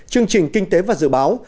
tại kênh kinh tế và dự báo